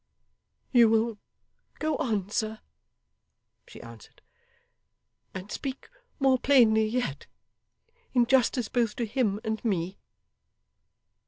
'You will go on, sir,' she answered, 'and speak more plainly yet, in justice both to him and me.